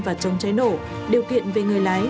và chống cháy nổ điều kiện về người lái